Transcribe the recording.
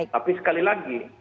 tapi sekali lagi